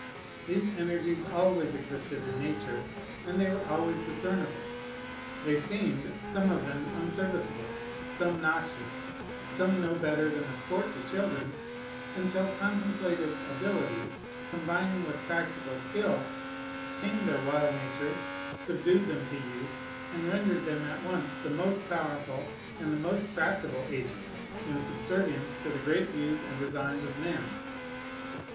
These energies always existed in Nature, and they were always discernible. They seemed, some of them unserviceable, some noxious, some no better than a sport to children, until contemplative ability, combining with practic skill, tamed their wild nature, subdued them to use, and rendered them at once the most powerful and the most tractable agents, in subservience to the great views and designs of men.